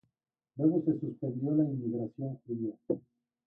Luego se suspendió la inmigración judía.